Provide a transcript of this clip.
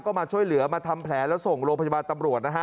ก็มาช่วยเหลือมาทำแผลแล้วส่งโรงพยาบาลตำรวจนะฮะ